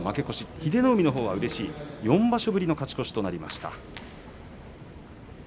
英乃海のほうはうれしい４場所ぶりの勝ち越しとなりました。